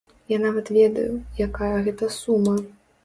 Я нават ведаю, якая гэта сума.